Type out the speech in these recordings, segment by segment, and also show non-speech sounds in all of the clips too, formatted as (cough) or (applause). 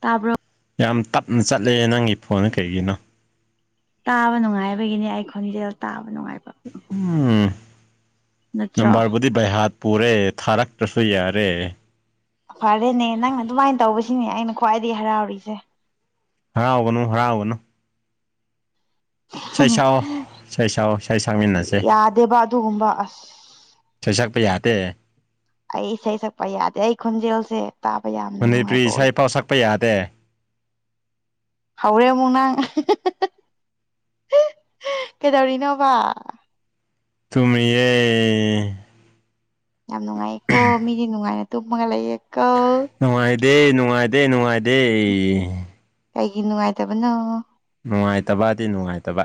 ꯇꯥꯕ꯭ꯔꫭ ꯌꯥꯝ ꯇꯞꯅ ꯆꯠꯂꯦ ꯅꯪꯒꯤ ꯐꯣꯟ ꯀꯩꯒꯤꯅꯣ ꯇꯥꯕ ꯅꯨꯡꯉꯥꯏꯕꯒꯤꯅꯤ ꯑꯩ ꯈꯣꯟꯖꯦꯜ ꯇꯥꯕ ꯅꯨꯡꯉꯥꯏꯕ ꯎꯝ ꯅꯠꯇ꯭ꯔꯣ ꯅꯝꯕꯔꯕꯨ ꯗꯤ ꯕꯩꯍꯥꯠ ꯄꯨꯔꯦ ꯊꯥꯔꯛꯇ꯭ꯔꯁꯨ ꯌꯥꯔꯦ ꯐꯔꯦꯅꯦ ꯅꯪꯅ ꯑꯗꯨꯃꯥꯏꯅ ꯇꯧꯕꯁꯤꯅꯦ ꯑꯩꯅ ꯈ꯭ꯋꯥꯏꯗꯒꯤ ꯍꯔꯥꯎꯔꯤꯁꯦ ꯍꯔꯥꯎꯒꯅꯨ ꯍꯔꯥꯎꯒꯅꯨ ꯏꯁꯩ ꯁꯛꯑꫭ ꯏꯁꯩ ꯁꯛꯑꫭ ꯏꯁꯩ ꯁꯛꯃꯤꯟꯅꯁꯦ ꯌꯥꯗꯦꯕ ꯑꯗꯨꯒꯨꯝꯕ ꯑꯁ ꯏꯁꯩ ꯁꯛꯄ ꯌꯥꯗꯦ ꯑꯩ ꯏꯁꯩ ꯁꯛꯄ ꯌꯥꯗꯦ ꯑꯩ ꯈꯣꯟꯟꯖꯦꯜꯁꯦ ꯊꯝꯕꯥ ꯌꯥꯝ ꯃꯟꯅꯤꯄꯨꯔꯤ ꯏꯁꯩ ꯐꯥꯎ ꯁꯛꯄ ꯌꯥꯗꯦ ꯍꯥꯎꯔꯦ ꯑꯃꯨꯛ ꯅꯪ ꯀꯩꯗꯧꯔꯤꯅꯣꯕ ꯇꯨꯝꯃꯤꯌ‌ꯦ ꯄ (unintelligible) (inaudible) ꯌꯥꯝ ꯅꯨꯡꯉꯥꯏꯌꯦꯀꯣ ꯃꯤꯗꯤ ꯅꯨꯡꯉꯥꯏꯅ ꯇꯨꯝꯃꯒ ꯂꯩꯌꯦꯀ ꯅꯨꯡꯉꯥꯏꯗꯦ ꯅꯨꯡꯉꯥꯏꯗꯦ ꯅꯨꯡꯉꯥꯏꯗꯦ ꯀꯩꯒꯤ ꯅꯨꯡꯉꯥꯏꯇꯕꯅꯣ ꯅꯨꯡꯉꯥꯏꯇꯕꯗꯤ ꯅꯨꯡꯉꯥꯏꯇꯕ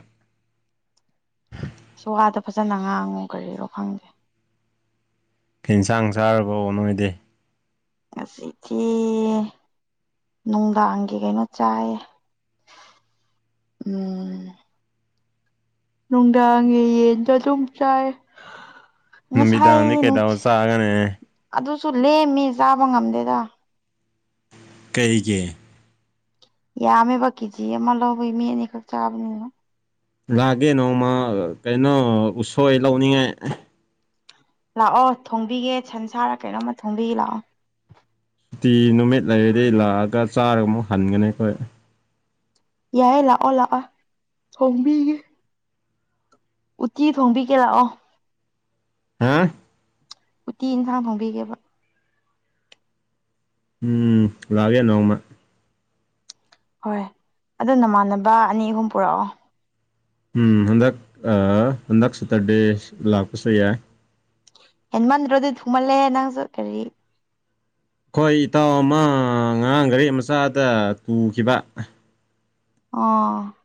ꯑꯁ ꯋꯥꯗꫭ ꯐꯖꯅ ꯉꯥꯡꯉꯨ ꯀꯔꯤꯔꯣ ꯐꯪꯗꯦ ꯌꯦꯟꯁꯥꯡ ꯆꯥꯔꯕꫭꯕ ꯅꯣꯏꯗꯤ ꯉꯁꯤꯗꯤ ꯅꯨꯡꯗꯥꯡꯒꯤ ꯀꯩꯅꯣ ꯆꯥꯏꯌꯦ ꯎꯝ ꯅꯨꯡꯗꯥꯡꯒꯤꯌꯦꯟꯗꯨ ꯑꯗꯨꯝ ꯆꯥꯏꯌ‌ꯦ ꯉꯁꯥꯏ ꯅꯨꯃꯤꯗꯥꯡꯗꯤ ꯀꯩꯗꯧ ꯅꯨꯡꯊꯤꯜ ꯆꯥꯒꯅꯤ ꯑꯗꯨꯁꯨ ꯂꯦꯝꯃꯤ ꯆꯥꯕ ꯉꯝꯗꯦꯗꯥ ꯀꯩꯒꯤ ꯌꯥꯝꯃꯦꯕ ꯀꯦꯖꯤ ꯑꯃ ꯂꯧꯕꯒꯤ ꯃꯤ ꯑꯅꯤꯈꯛ ꯆꯥꯕꯅꯤꯅ ꯂꯥꯛꯒꯦ ꯅꯣꯡꯃ ꯀꯩꯅꯣ ꯎꯁꯣꯏ ꯂꯧꯅꯤꯡꯉꯥꯏ ꯂꯥꯛꯑꯣ ꯊꯣꯡꯕꯤꯒꯦ ꯁꯟꯁꯥꯔ ꯀꯩꯅꯣꯝꯃ ꯊꯣꯡꯕꯤꯒ ꯂꯥꯛꯑꯣ ꯁꯨꯇꯤ ꯅꯨꯃꯤꯠ ꯂꯩꯔꯗꯤ ꯂꯥꯛꯑꯒ ꯆꯥꯔꯒ ꯑꯃꯨꯛ ꯍꯟꯒꯅꯤ ꯑꯩꯈꯣꯏ ꯌꯥꯏꯌꯦ ꯂꯥꯛꯑꯣ ꯂꯥꯛꯑꯣ ꯊꯣꯡꯕꯤꯒꯦ ꯎꯠꯇꯤ ꯊꯣꯡꯕꯤꯒꯦ ꯂꯥꯛꯑꯣ ꯍꯥ (unintelligible) ꯎꯨꯇꯤ ꯏꯟꯁꯥꯡ ꯊꯣꯡꯕꯤꯒꯦꯕ ꯎꯝ ꯂꯥꯛꯒꯦ ꯅꯣꯡꯃ ꯍꯣꯏ ꯑꯗꯣ ꯅꯃꯥꯟꯅꯕ ꯑꯅꯤ ꯑꯍꯨꯝ ꯄꯨꯔꯛꯑꯣ ꯎꯝ ꯍꯟꯗꯛ ꯍꯟꯗꯛ ꯁꯇꯔꯗꯦ ꯂꯥꯛꯄꯁꯨ ꯌꯥꯏ ꯍꯦꯟꯃꯟꯗ꯭ꯔ ꯑꯗꯨꯗꯤ ꯊꯨꯃꯜꯂꯦ ꯅꯪꯁꯨ ꯀꯔꯤ ꯑꯩꯈꯣꯏ ꯏꯇꯥꯎ ꯑꯃ ꯉꯔꯥꯡ ꯒꯥꯔꯤ ꯃꯆꯥꯗ ꯇꯨꯈꯤꯕ ꯑꯣ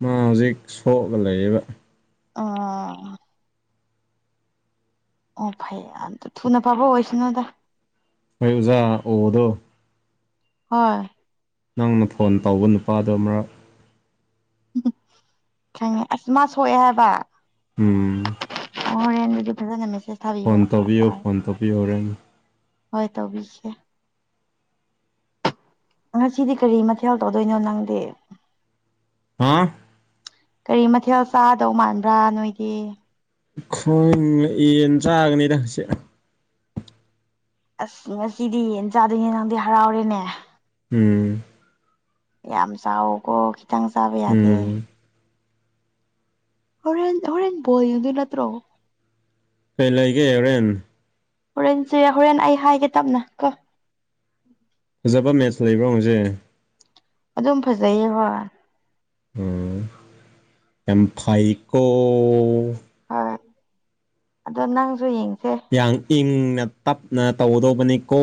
ꯃꯥ ꯍꯧꯖꯤꯛ ꯁꯣꯛꯑꯒ ꯂꯩꯔꯤꯕ ꯑꯥ ꯑꯥ ꯑꯣ ꯐꯩꯌꯦ ꯑꯗꯨ ꯊꯨꯅ ꯐꯕ ꯑꯣꯏꯁꯅꯨꯗ ꯍꯣꯏ ꯑꯣꯖꯥ ꯑꯣꯗꯣ ꯍꯣꯏ ꯅꯪꯅ ꯐꯣꯟ ꯇꯧꯕ ꯅꯨꯄꯥꯗꯣ ꯑꯃꯛ ꯎꯝ ꯈꯪꯉꯦ ꯑꯁ ꯃꯥ ꯁꯣꯛꯑꯦ ꯍꯥꯏꯕ ꯎꯝ ꯑꯣ ꯍꯣꯔꯦꯟ ꯑꯗꯨꯗꯤ ꯐꯖꯅ ꯃꯦꯁꯦꯁ ꯊꯥꯕꯤꯕ ꯐꯣꯟ ꯐꯔꯛ ꯇꯧꯕꯤꯌꯣ ꯇꯥꯔꯦ ꯐꯣꯟ ꯇꯧꯕꯤꯌꯣ ꯍꯣꯔꯦꯟ ꯍꯣꯏ ꯇꯧꯕꯤꯒꯦ ꯉꯁꯤꯗꯤ ꯀꯔꯤ ꯃꯊꯦꯜ ꯇꯧꯗꯣꯏꯅꯣ ꯅꯪꯗꯤ ꯍꯥꯥ ꯀꯔꯤ ꯃꯊꯦꯜ ꯆꯥꯗꯧ ꯃꯥꯟꯕ꯭ꯔꯥ ꯅꯣꯏꯗꯤ ꯈꯣꯢ ꯌꯦꯟ ꯆꯥꯒꯅꯤꯗ ꯉꯁꯤ ꯑꯁ ꯉꯁꯤꯗꯤ ꯌꯦꯟ ꯆꯥꯗꯨꯢꯅꯤꯅ ꯅꯪꯗꯤ ꯍꯔꯥꯎꯔꯦꯅꯦ ꯎꯝ ꯌꯥꯝ ꯆꯥꯎꯀꯣ ꯈꯤꯇꯪ ꯆꯥꯕ ꯌꯥꯗꯦ ꯎꯝ ꯍꯣꯔꯦꯟ ꯍꯣꯔꯦꯟ ꯕꯣꯜ ꯌꯦꯟꯗꯨꯢ ꯅꯠꯇ꯭ꯔꯣ ꯀꯩ ꯂꯩꯒꯦ ꯍꯣꯔꯦꯟ ꯍꯣꯔꯦꯟꯁꯦ ꯍꯣꯔꯦꯟ ꯑꯩ ꯍꯥꯏꯒꯦ ꯇꯞꯅ ꯀꯣ ꯐꯖꯕ ꯃꯦꯠꯆ ꯂꯩꯕ꯭ꯔꯣ ꯉꯁꯤ ꯑꯗꯨꯝ ꯐꯖꯩꯌꯦ ꯍꯣꯏ ꯑꯝ ꯌꯥꯝ ꯐꯩꯒꯣ ꯍꯣꯏ ꯑꯗꯣ ꯅꯪꯁꯨ ꯌꯦꯡꯁꯦ ꯌꯥꯝ ꯏꯪꯅ ꯇꯞꯅ ꯇꯧꯒꯗꯧꯕꯅꯤꯀꯣ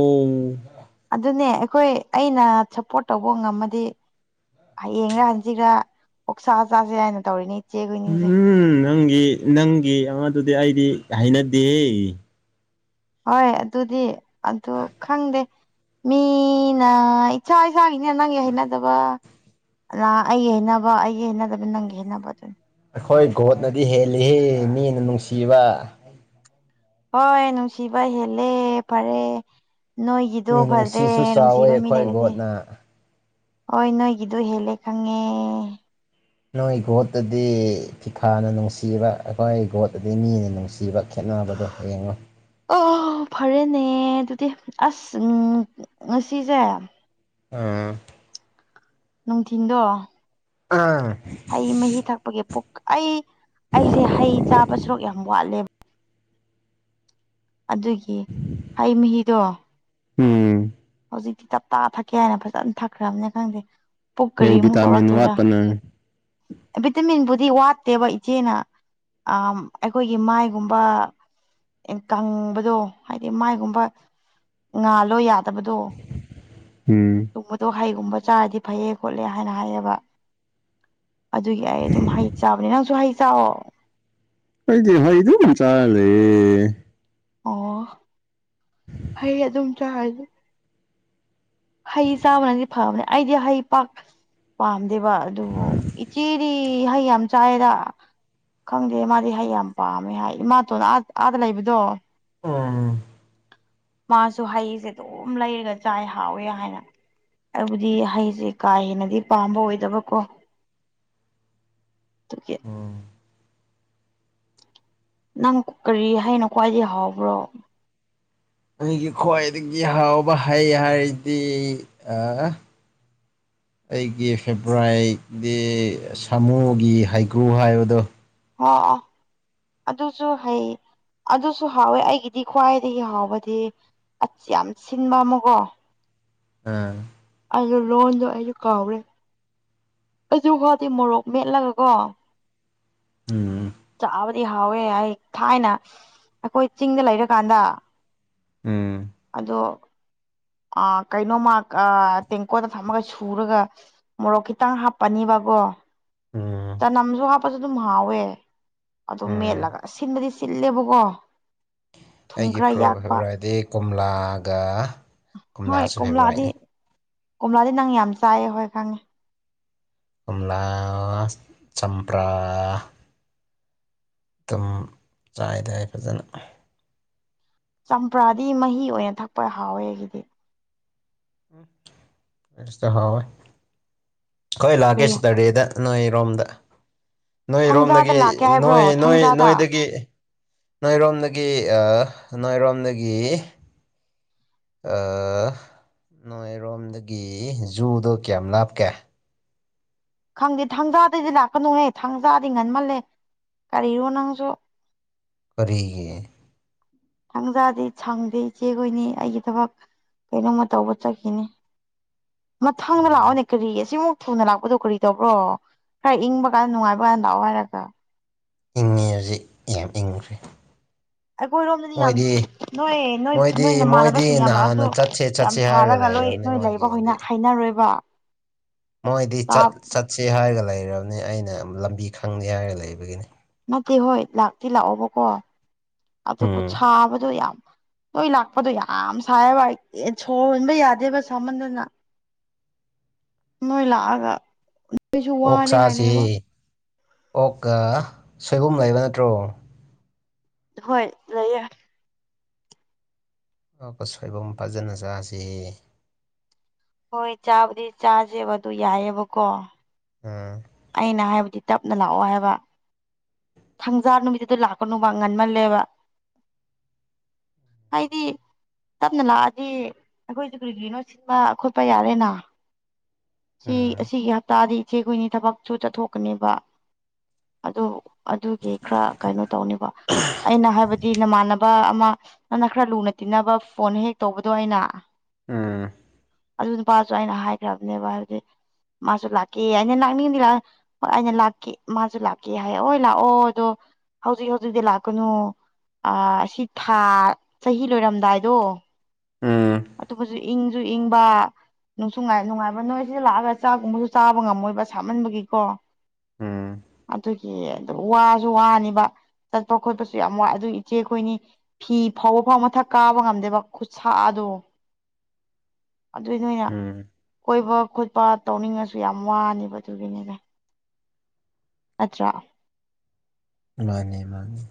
ꯑꯗꯨꯅꯦ ꯑꯩꯈꯣꯏ ꯑꯩꯅ ꯁꯞꯄꯣꯔꯠ ꯇꯧꯕ ꯉꯝꯃꯗꯤ ꯍꯌꯦꯡꯔ ꯍꯪꯆꯤꯠꯂ ꯑꯣꯛꯁꯥ ꯆꯥꯁꯦ ꯍꯥꯏꯅ ꯇꯧꯔꯤꯅꯦ ꯏꯆꯦꯈꯣꯏꯅꯤꯁꯦ ꯎꯝ ꯅꯪꯒꯤ ꯅꯪꯒꯤ ꯑꯉꯥꯡꯗꯨꯗꯤ ꯑꯩꯗꯤ ꯍꯩꯅꯗꯦꯍꯦ ꯍꯣꯏ ꯑꯗꯨꯗꯤ ꯑꯗꯨ ꯈꯪꯗꯦ ꯃꯤꯅ ꯏꯁꯥ ꯏꯁꯥꯒꯤꯅꯦ ꯅꯪꯒꯤ ꯍꯩꯅꯗꯕ ꯑ ꯑꯩꯒꯤ ꯍꯩꯅꯕ ꯑꯩꯒꯤ ꯍꯩꯅꯗꯕ ꯅꯪꯒꯤ ꯍꯩꯅꯕ ꯑꯗꯨꯅꯤ ꯑꯩꯈꯣꯏ ꯒꯣꯠꯅꯗꯤ ꯍꯦꯜꯂꯤ ꯃꯤꯅ ꯅꯨꯡꯁꯤꯕ ꯍꯣꯏ ꯅꯨꯡꯁꯤꯕ ꯍꯦꯜꯂꯦ ꯐꯔꯦ ꯅꯣꯏꯒꯤꯗꯣ ꯐꯔꯦ ꯃꯤꯅꯨꯡꯁꯤꯁꯨ ꯆꯥꯎꯋꯦ ꯅꯨꯡꯁꯤꯕ ꯃꯤ ꯑꯩꯈꯣꯏ ꯂꯩꯔꯗꯤ ꯒꯣꯠꯅ ꯍꯣꯏ ꯅꯣꯏꯒꯤꯗꯣ ꯍꯦꯜꯂꯦ ꯈꯪꯉꯦ ꯅꯣꯏ ꯒꯣꯠꯇꯗꯤ ꯐꯤꯐꯥꯅ ꯅꯨꯡꯁꯤꯕ ꯑꯩꯈꯣꯏ ꯒꯣꯠꯇꯗꯤ ꯃꯤꯅ ꯅꯨꯡꯁꯤꯕ ꯈꯦꯠꯅꯕꯗꯨ ꯌꯦꯡꯉꯣ ꯑꯣ ꯐꯔꯦꯅꯦ ꯑꯗꯨꯗꯤ ꯑꯁ ꯎ ꯉꯁꯤꯁꯦ ꯑꯥ ꯅꯨꯡꯊꯤꯟꯗꯣ ꯑꯥ ꯍꯩ ꯃꯍꯤ ꯊꯛꯄꯒꯤ ꯄꯨꯛ ꯑꯩ ꯑꯩꯁꯦ ꯍꯩ ꯆꯥꯕ ꯁꯔꯨꯛ ꯌꯥꯝ ꯋꯥꯠꯂꯦꯕ ꯑꯗꯨꯒꯤ ꯍꯩ ꯃꯍꯤꯗꯣ ꯎꯝ ꯍꯧꯖꯤꯛꯇꯤ ꯇꯞꯇꯥ ꯊꯛꯀꯦ ꯍꯥꯏꯅ ꯐꯖꯅ ꯊꯛꯈ꯭ꯔꯕꯅꯦ ꯈꯪꯗꯦ ꯄꯨꯛ ꯀꯔꯤ ꯀꯩ ꯑꯃꯨꯛ ꯚꯤꯇꯥꯃꯤꯟ ꯇꯧꯔꯛꯇꯣꯏꯔꯥ ꯋꯥꯠꯄ ꯅꯪ ꯚꯤꯇꯃꯤꯟꯕꯨꯗꯤ ꯋꯥꯠꯇꯦꯕ ꯏꯆꯦꯅ ꯑ ꯑꯩꯈꯣꯏꯒꯤ ꯃꯥꯏꯒꯨꯝꯕ ꯀꯪꯕꯗꯣ ꯍꯥꯏꯗꯤ ꯃꯥꯏꯒꯨꯝꯕ ꯉꯥꯜꯂꯣ ꯌꯥꯗꯕꯗꯣ ꯎꯝ ꯒꯨꯝꯕꯗꯣ ꯍꯩꯒꯨꯝꯕ ꯆꯥꯔꯗꯤ ꯐꯩꯌꯦ ꯈꯣꯠꯂꯦ ꯍꯥꯏꯅ ꯍꯥꯏꯌꯦꯕ ꯑꯗꯨꯒꯤ ꯑꯩ ꯑꯗꯨꯝ ꯍꯩ ꯆꯥꯕꯅꯦ ꯅꯪꯁꯨ ꯍꯩ ꯆꯥꯑꯣ ꯑꯩꯗꯤ ꯍꯩ ꯑꯗꯨꯝ ꯆꯥꯔ ꯂꯩꯌꯦ ꯑꯣ ꯐꯩ ꯑꯗꯨꯝ ꯆꯥꯔꯗꯤ ꯍꯩ ꯆꯥꯕꯅꯗꯤ ꯐꯕꯅꯦ ꯑꯩꯗꯤ ꯍꯩ ꯄꯥꯛ ꯄꯥꯝꯗꯦꯕ ꯑꯗꯨꯕꯨ ꯏꯆꯦꯗꯤ ꯍꯩ ꯌꯥꯝ ꯆꯥꯏꯗ ꯈꯪꯗꯦ ꯃꯥꯗꯤ ꯍꯩ ꯌꯥꯝ ꯄꯥꯝꯃꯦ ꯍꯥꯏ ꯏꯃꯥꯇꯣꯟ ꯑꯥ ꯑꯥꯗ ꯂꯩꯕꯗꯣ ꯎꯝ ꯃꯥꯁꯨ ꯍꯩꯁꯦ ꯑꯗꯨꯝ ꯂꯩꯔꯒ ꯆꯥꯏ ꯍꯥꯎꯋꯦ ꯍꯥꯏꯅ ꯑꯩꯕꯨꯗꯤ ꯍꯩꯁꯦ ꯀꯥ ꯍꯦꯟꯅꯗꯤ ꯄꯥꯝꯕ ꯑꯣꯏꯗꯕꯀꯣ ꯇꯨꯒꯤ ꯅꯪ ꯀꯔꯤ ꯍꯩꯅ ꯈ꯭ꯋꯥꯏꯗꯒꯤ ꯍꯥꯎꯕ꯭ꯔꯣ ꯑꯩꯒꯤ ꯈ꯭ꯋꯥꯏꯗꯒꯤ ꯍꯥꯎꯕ ꯍꯩ ꯍꯥꯏꯔꯗꯤ ꯑꯩꯒꯤ ꯐꯦꯕꯣꯔꯥꯏꯠꯗꯤ ꯁꯥꯃꯨꯒꯤ ꯍꯩꯀ꯭ꯔꯨ ꯍꯥꯏꯕꯗꯣ ꯑꯣ ꯑꯗꯨꯁꯨ ꯍꯩ ꯑꯗꯨꯁꯨ ꯍꯥꯎꯋꯦ ꯑꯩꯒꯤꯗꯤ ꯈ꯭ꯋꯥꯏꯗꯒꯤ ꯍꯥꯎꯕꯗꯤ ꯑꯁ ꯌꯥꯝ ꯁꯤꯟꯕ ꯑꯃꯀꯣ ꯑ ꯑꯗꯨ ꯂꯣꯟꯗꯣ ꯑꯩꯁꯨ ꯀꯥꯎꯔꯦ ꯑꯗꯨ ꯐꯥꯞꯇꯤ ꯃꯣꯔꯣꯛ ꯃꯦꯠꯂꯒ ꯀꯣ ꯎꯝ ꯆꯥꯕ ꯑꯩ ꯍꯥꯎꯋꯦ ꯑꯩ ꯊꯥꯏꯅ ꯑꯩꯈꯣꯏ ꯆꯤꯡꯗ ꯂꯩꯔꯀꯥꯟꯗ ꯎꯝ ꯑꯗꯣ ꯑ ꯀꯩꯅꯣꯃ ꯑ ꯇꯦꯡꯀꯣꯠꯇ ꯊꯝꯃꯒ ꯁꯨꯔꯒ ꯃꯣꯔꯣꯛ ꯈꯤꯇꯪ ꯍꯥꯞꯄꯅꯤꯕꯀꯣ ꯎꯝ ꯆꯅꯝꯁꯨ ꯍꯥꯞꯄꯁꯨ ꯑꯗꯨꯝ ꯍꯥꯎꯋꯦ ꯑꯗꯨ ꯎꯝ ꯃꯦꯠꯂꯒ ꯁꯤꯟꯕꯗꯤ ꯆꯤꯜꯂꯦꯕꯀꯣ ꯑꯩꯒꯤ (unintelligible) ꯐꯦꯕꯣꯔꯥꯏꯗꯤ ꯀꯣꯝꯂꯥꯒ ꯍꯣꯏ ꯀꯣꯝꯂꯥꯁꯨ ꯀꯣꯝꯂꯥꯗꯤ ꯐꯦꯕꯣꯔꯥꯏꯠꯅꯤ ꯀꯣꯝꯂꯥꯗꯤ ꯅꯪ ꯌꯥꯝ ꯆꯥꯏꯌꯦ ꯍꯣꯏ ꯈꯪꯉꯦ ꯀꯣꯝꯂꯥ ꯆꯝꯄ꯭ꯔꯥ ꯇꯨꯝ ꯆꯥꯏꯗ ꯑꯩ ꯐꯖꯅ ꯆꯝꯄ꯭ꯔꯥꯗꯤ ꯃꯍꯤ ꯑꯣꯏꯅ ꯊꯛꯄ ꯍꯥꯎꯋꯦ ꯑꯩꯒꯤꯗꯤ (unintelligible) ꯍꯥꯎꯋꯦ ꯈꯣꯏ ꯂꯥꯛꯀꯦ ꯀꯔꯤ ꯁꯇꯔꯗꯦꯗ ꯅꯣꯏꯔꯣꯝꯗ ꯊꯥꯡꯖꯥꯗ ꯅꯣꯏꯔꯣꯝꯗꯒꯤ ꯂꯥꯛꯀꯦ ꯍꯥꯏꯕ꯭ꯔꯣ ꯅꯣꯏ ꯅꯣꯏ ꯊꯥꯡꯖꯥꯗ ꯅꯣꯏꯗꯒꯤ ꯅꯣꯏꯔꯣꯝꯗꯒꯤ ꯑ ꯅꯣꯏꯔꯣꯝꯗꯒꯤ ꯑ ꯅꯣꯏꯔꯣꯝꯗꯒꯤ ꯖꯨꯗꯣ ꯀꯌꯥꯝ ꯂꯥꯞꯀꯦ ꯈꯪꯗꯦ ꯊꯥꯡꯖꯥꯗꯗꯤ ꯂꯥꯛꯀꯅꯨꯍꯦ ꯊꯥꯡꯖꯥꯗꯤ ꯉꯟꯃꯜꯂꯦ ꯀꯔꯤꯔꯣ ꯅꯪꯁꯨ ꯀꯔꯤꯒꯤ ꯊꯪꯖꯥꯗꯤ ꯁꯪꯗꯦ ꯏꯆꯦꯈꯣꯏꯅꯤ ꯑꯩꯒꯤ ꯊꯕꯛ ꯀꯩꯅꯣꯝꯃ ꯇꯧꯕ ꯆꯠꯈꯤꯅꯤ ꯃꯊꯪꯗ ꯑꯣ ꯂꯥꯛꯑꯣꯅꯦ ꯀꯔꯤ ꯑꯁꯤꯃꯨꯛ ꯊꯨꯅ ꯂꯥꯛꯄꯗꯣ ꯀꯔꯤ ꯇꯧꯕ꯭ꯔꯣ ꯈꯔ ꯏꯪꯕ ꯀꯥꯟꯗ ꯅꯨꯡꯉꯥꯏꯕ ꯀꯥꯟꯗ ꯂꯥꯛꯑꯣ ꯍꯥꯏꯔꯒ ꯏꯪꯉꯦ ꯍꯧꯖꯤꯛ ꯌꯥꯝ ꯏꯪꯈ꯭ꯔꯦ ꯑꯩꯈꯣꯏꯔꯣꯝꯗꯗꯤ ꯌꯥꯝ ꯃꯣꯏꯗꯤ ꯅꯣꯏ ꯅꯣꯏ ꯃꯣꯏꯗꯤ ꯅꯣꯏ ꯃꯣꯏꯗꯤ ꯅꯃꯥꯟꯅꯕꯁꯤꯡ ꯌꯥꯝ ꯂꯥꯛꯑꯁꯨ ꯅꯍꯥꯟꯅ ꯆꯠꯁꯦ ꯌꯥꯝ ꯆꯠꯁꯤ ꯍꯥꯏꯔꯒ ꯁꯥꯔꯒ ꯂꯣꯏ ꯂꯩꯔꯕꯅꯤ ꯅꯣꯏ ꯂꯩꯕ ꯃꯣꯏꯒꯤꯗꯤ ꯍꯩꯅꯔꯣꯏꯕ ꯃꯣꯏꯗꯤ ꯆꯠꯁꯤ ꯍꯥꯏꯔꯒ ꯂꯩꯔꯕꯅꯤ ꯑꯩꯅ ꯂꯝꯕꯤ ꯈꯪꯗꯦ ꯍꯥꯏꯔꯒ ꯂꯩꯕꯒꯤꯅꯤ ꯅꯠꯇꯦ ꯍꯣꯏ ꯂꯥꯛꯇꯤ ꯂꯥꯛꯑꯣꯕꯀꯣ ꯑꯗꯨꯕꯨ ꯎꯝ ꯁꯥꯕꯗꯣ ꯌꯥꯝ ꯅꯣꯏ ꯂꯥꯛꯄꯗꯣ ꯌꯥꯝ ꯁꯥꯏꯑꯦꯕ ꯑꯩ ꯁꯣꯔ ꯍꯣꯟꯕ ꯌꯥꯗꯦꯕ ꯁꯥꯃꯟꯗꯅ ꯅꯣꯏ ꯂꯥꯛꯑꯒ ꯑꯩꯁꯨ ꯑꯣꯛ ꯆꯥꯁꯤ ꯋꯥꯅꯤꯡꯉꯥꯏꯅꯦꯕ ꯑꯣꯛꯑ ꯁꯣꯏꯕꯨꯝ ꯂꯩꯕ ꯅꯠꯇ꯭ꯔꯣ ꯍꯣꯏ ꯂꯩꯌꯦ ꯑꯣꯛꯒ ꯁꯣꯏꯕꯨꯝ ꯐꯖꯅ ꯆꯥꯁꯦ ꯍꯣꯏ ꯆꯥꯕꯨꯗꯤ ꯆꯥꯁꯦꯕ ꯑꯗꯨ ꯌꯥꯏꯑꯦꯕꯀꯣ ꯎꯝ ꯑꯩꯅ ꯍꯥꯏꯕꯗꯤ ꯇꯞꯅ ꯂꯥꯛꯑꯣ ꯍꯥꯏꯕ ꯊꯪꯖꯥ ꯅꯨꯃꯤꯠꯇꯨꯗ ꯂꯥꯛꯀꯅꯨꯕ ꯉꯟꯃꯜꯂꯦꯕ ꯍꯥꯏꯗꯤ ꯇꯞꯅ ꯂꯥꯛꯑꯗꯤ ꯑꯩꯈꯣꯏꯁꯨ ꯀꯔꯤ ꯀꯔꯤꯅꯣ ꯁꯤꯟꯕ ꯈꯣꯠꯄ ꯌꯥꯔꯦꯅ ꯁꯤ ꯎꯝ ꯑꯁꯤꯒꯤ ꯍꯞꯇꯥꯗꯤ ꯏꯆꯦꯈꯣꯏꯅꯤ ꯊꯕꯛꯁꯨ ꯆꯠꯊꯣꯛꯀꯅꯦꯕ ꯑꯗꯨ ꯑꯗꯨꯒꯤ ꯈꯔ ꯀꯩꯅꯣ ꯇꯧꯅꯤꯕ ꯑꯩꯅ ꯍꯥꯏꯕꯗꯤ ꯅꯃꯥꯟꯅꯕ ꯑꯃ ꯅꯪꯅ ꯈꯔ ꯂꯨꯅ ꯇꯤꯟꯅꯕ ꯐꯣꯟ ꯍꯦꯛ ꯇꯧꯕꯗꯣ ꯑꯩꯅ ꯎꯝ ꯑꯗꯨ ꯅꯨꯄꯥꯁꯨ ꯑꯩꯅ ꯍꯥꯏꯈ꯭ꯔꯕꯥꯅꯦꯕ ꯍꯥꯏꯕꯗꯤ ꯃꯥꯁꯨ ꯂꯥꯛꯀꯦꯌꯦ ꯑꯩꯅ ꯂꯥꯛꯅꯤꯡꯉꯥꯗꯤ ꯂꯥꯎ ꯑꯩꯅ ꯂꯥꯛꯀꯦ ꯃꯥꯁꯨ ꯂꯥꯛꯀꯦ ꯍꯥꯏꯌꯦꯕ ꯍꯣꯏ ꯂꯥꯛꯑꯣ ꯑꯗꯣ ꯍꯧꯖꯤꯛ ꯍꯧꯖꯤꯛꯇꯤ ꯂꯥꯛꯀꯅꯣ ꯑꯥ ꯑꯁꯤ ꯊꯥ ꯆꯍꯤ ꯂꯣꯏꯔꯝꯗꯥꯏꯗꯣ ꯎꯝ ꯑꯇꯣꯞꯄꯥꯁꯨ ꯏꯪꯁꯨ ꯏꯪꯕ ꯅꯨꯡꯁꯨ ꯅꯨꯡꯉꯥꯏꯕ ꯅꯣꯏꯁꯨ ꯂꯥꯛꯑꯒ ꯆꯥꯛꯒꯨꯝꯕꯁꯨ ꯆꯥꯕ ꯉꯝꯃꯣꯏꯕ ꯁꯥꯃꯟꯕꯒꯤꯀꯣ ꯎꯝ ꯑꯗꯨꯒꯤ ꯋꯥꯁꯨ ꯋꯥꯅꯤꯕ ꯆꯠꯄꯥ ꯈꯣꯠꯄꯥꯁꯨ ꯌꯥꯝ ꯋꯥꯏ ꯑꯗꯨꯏ ꯏꯆꯦ ꯈꯣꯏꯅꯤ ꯐꯤ ꯐꯧꯕ ꯐꯥꯎ ꯃꯊꯛ ꯀꯥꯕ ꯉꯝꯗꯦꯕ ꯁꯥꯗꯣ ꯑꯗꯨꯏ ꯅꯣꯢꯅ ꯎꯝ ꯀꯣꯏꯕ ꯈꯣꯠꯄ ꯇꯧꯅꯤꯡꯉꯥꯁꯨ ꯌꯥꯝ ꯋꯥꯅꯦꯕ ꯑꯗꯨꯒꯤꯅꯤꯅꯦ ꯅꯠꯇ꯭ꯔꯥ ꯃꯥꯅꯦ ꯃꯥꯅꯦ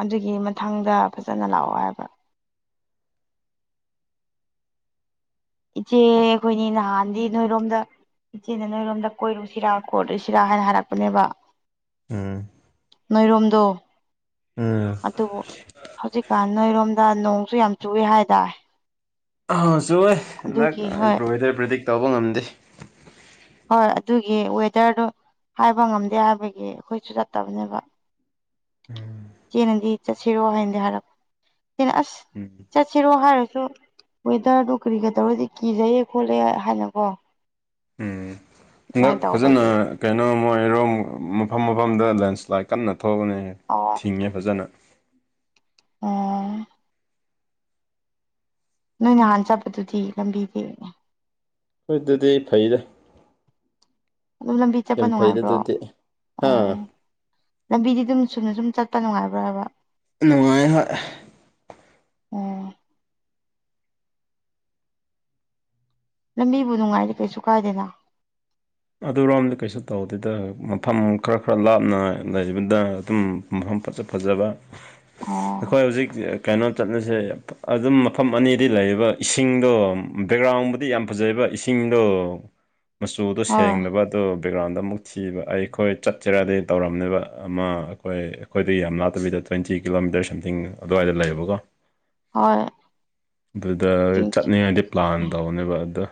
ꯑꯗꯨꯒꯤ ꯃꯊꯪꯗ ꯐꯥꯖꯅ ꯂꯥꯛꯑꯣ ꯍꯥꯏꯕ ꯏꯆꯦ ꯈꯣꯏꯅꯤ ꯅꯥꯍꯟꯗꯤ ꯅꯣꯏꯔꯣꯝꯗꯥ ꯏꯆꯦꯅꯥ ꯅꯣꯏꯔꯣꯝꯗ ꯀꯣꯏꯔꯨꯁꯤꯔ ꯈꯣꯠꯂꯨꯁꯤꯔ ꯍꯥꯏꯅ ꯍꯥꯏꯔꯛꯄꯥꯅꯦꯕ ꯑꯝ ꯅꯣꯏꯔꯣꯝꯗꯣ ꯎꯝ ꯑꯗꯨꯕꯨ ꯍꯧꯖꯤꯛꯀꯥꯟ ꯅꯣꯏꯔꯣꯝꯗꯥ ꯅꯣꯡꯁꯨ ꯌꯥꯝ ꯆꯨꯋꯦ ꯍꯥꯏꯗꯥꯏ ꯑꯥ ꯆꯨꯌꯦ ꯉꯛ ꯑꯗꯨꯒꯤ ꯍꯣꯏ ꯂꯣꯏꯔꯦ ꯄ꯭ꯔꯤꯗꯤꯛ ꯇꯧꯕ ꯉꯝꯗꯦ ꯍꯣꯏ ꯑꯗꯨꯒꯤ ꯋꯦꯗ꯭ꯔꯗꯨ ꯍꯥꯏꯕ ꯉꯝꯗꯦ ꯍꯥꯏꯕꯒꯤ ꯑꯩꯈꯣꯏꯁꯨ ꯆꯠꯇꯥꯕꯅꯦꯕ ꯏꯆꯦꯅꯗꯤ ꯆꯠꯁꯤꯔꯣ ꯍꯥꯏꯅꯗꯤ ꯍꯥꯔꯞ ꯑꯩꯅ ꯑꯥꯁ ꯎꯝ ꯆꯠꯁꯤꯔꯣ ꯍꯥꯏꯔꯁꯨ ꯋꯦꯗ‌‌꯭ꯔꯗꯨ ꯀꯔꯤ ꯀꯔꯤꯒ ꯇꯧꯔꯗꯤ ꯀꯤꯖꯩꯌꯦ ꯈꯣꯠꯂꯦ ꯍꯥꯏꯅꯀꯣ ꯑꯝ ꯍꯟꯗꯛ ꯑꯗꯨꯃꯥꯏꯅ ꯐꯥꯖꯅ ꯇꯧꯕꯒꯤ ꯀꯩꯅꯣꯝꯃꯥ ꯃꯣꯏꯔꯣꯝ ꯃꯐꯝ ꯃꯐꯝꯗ ꯂꯦꯟꯁ꯭ꯂꯥꯏꯠ ꯀꯟꯅꯥ ꯊꯣꯛꯕꯅꯦ ꯑꯣ ꯊꯤꯡꯉꯦ ꯐꯥꯖꯅ ꯑꯣ ꯅꯣꯏ ꯅꯥꯍꯟ ꯆꯠꯄꯗꯨꯗꯤ ꯂꯝꯕꯤꯗꯤ ꯑꯩꯈꯣꯢꯗꯗꯤ ꯐꯩꯗ ꯑꯗꯨ ꯂꯝꯕꯤ ꯆꯠꯄꯥ ꯌꯥꯝ ꯐꯩꯗ ꯅꯨꯡꯉꯥꯏꯕ꯭ꯔꯣ ꯑꯗꯨꯗꯤ ꯍꯥ ꯑꯣ ꯂꯝꯕꯤꯗꯤ ꯑꯗꯨꯝ ꯆꯨꯝꯅ ꯁꯨꯝ ꯆꯠꯄꯥ ꯅꯨꯡꯉꯥꯏꯕ꯭ꯔꯣ ꯍꯥꯏꯕ ꯅꯨꯡꯉꯥꯏꯌꯦ ꯍꯣꯏ ꯑꯣ ꯂꯝꯕꯤꯕꯨ ꯅꯨꯡꯉꯥꯏꯔꯗꯤ ꯀꯩꯁꯨ ꯀꯥꯏꯗꯦꯅ ꯑꯗꯨꯔꯣꯝ ꯀꯩꯁꯨ ꯇꯧꯗꯦꯗ ꯃꯐꯝ ꯈꯔꯥ ꯈꯔꯥ ꯂꯥꯞꯅ ꯂꯩꯕꯗ ꯑꯗꯨꯝ ꯃꯐꯝ ꯐꯥꯖ ꯐꯥꯖꯕ ꯑꯣ ꯑꯩꯈꯣꯏ ꯍꯧꯖꯤꯛ ꯀꯩꯅꯣ ꯆꯠꯂꯥꯁꯦ ꯑꯗꯨꯝ ꯃꯐꯝ ꯑꯅꯤꯗꯤ ꯂꯩꯌꯦꯕ ꯏꯁꯤꯡꯗꯣ ꯕꯦꯛꯒ꯭ꯔꯥꯟꯕꯨꯗꯤ ꯌꯥꯝ ꯐꯥꯖꯩꯌꯦꯕ ꯏꯁꯤꯡꯗꯣ ꯃꯆꯨꯗꯨ ꯍꯣꯏ ꯁꯦꯡꯗꯕ ꯑꯣ ꯕꯦꯛꯒ꯭ꯔꯥꯟꯗꯨ ꯑꯃꯨꯛ ꯊꯤꯕ ꯑꯩꯈꯣꯏ ꯆꯠꯁꯤꯔꯗꯤ ꯇꯧꯔꯝꯅꯦꯕ ꯑꯃꯥ ꯑꯩꯈꯣꯏ ꯑꯩꯈꯣꯏꯗꯩ ꯌꯥꯝ ꯂꯥꯞꯇꯕꯤꯗ ꯇ꯭ꯋꯦꯟꯇꯤ ꯀꯤꯂꯣꯃꯤꯇꯔ ꯁꯝꯊꯤꯡ ꯑꯗꯨꯋꯥꯏꯗ ꯂꯩꯌꯦꯕꯀꯣ ꯍꯣꯏ ꯑꯗꯨꯗꯥ ꯇ꯭ꯋꯦꯟꯇꯤ ꯆꯠꯅꯤꯡꯉꯥꯏꯗꯤ ꯄ꯭ꯂꯥꯟ ꯇꯧꯞꯕꯅꯦꯕ ꯑꯗꯨ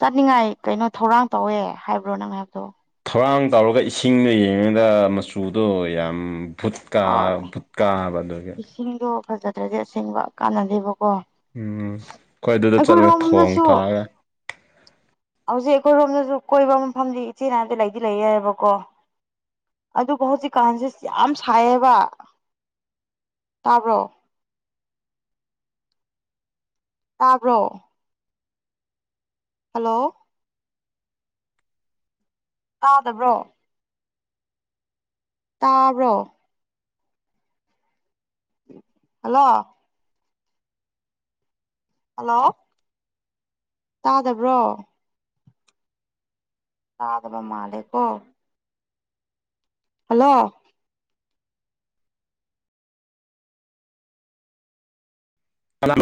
ꯆꯠꯅꯤꯡꯉꯥꯏ ꯀꯩꯅꯣ ꯊꯧꯔꯥꯡ ꯇꯧꯋꯦ ꯍꯥꯏꯕ꯭ꯔꯣ ꯅꯪ ꯍꯥꯏꯕꯗꯣ ꯊꯧꯔꯥꯡ ꯇꯧꯔꯒ ꯏꯁꯤꯡꯒ ꯌꯦꯡꯉꯒ ꯃꯆꯨꯗꯣ ꯌꯥꯝ ꯚꯨꯠꯀ ꯍꯣꯏ ꯀꯥ ꯕꯥ ꯑꯗꯨꯒꯤ ꯏꯁꯤꯡꯗꯣ ꯐꯥꯖꯗ꯭ꯔꯗꯤ ꯑꯁꯦꯡꯕ ꯀꯥꯟꯅꯥꯗꯦꯕꯀꯣ ꯑꯝ ꯑꯈꯣꯏ ꯑꯗꯨꯗ ꯆꯠꯂꯒ ꯊꯣꯡ ꯊꯥꯛꯑꯒ ꯍꯧꯖꯤꯛ ꯑꯩꯈꯣꯏꯔꯣꯝꯗꯁꯨ ꯀꯣꯏꯕ ꯃꯐꯝꯗꯤ ꯏꯆꯦ ꯍꯥꯏꯕꯗꯤ ꯂꯩꯗꯤ ꯂꯩꯌꯦꯕꯀꯣ ꯑꯗꯨꯕꯨ ꯍꯧꯖꯤꯛꯀꯥꯟꯁꯦ ꯌꯥꯝ ꯁꯥꯢꯌꯦꯕ ꯇꯥꯕ꯭ꯔꯣ ꯇꯥꯕ꯭ꯔꯣ ꯍꯜꯂꯣ ꯇꯥꯗꯕ꯭ꯔꯣ ꯇꯥꯕ꯭ꯔꯣ ꯍꯜꯂꯣ ꯍꯜꯂꯣ ꯇꯥꯗꯕ꯭ꯔꯣ ꯇꯥꯗꯕ ꯃꯥꯂꯦꯀꯣ ꯍꯜꯂꯣ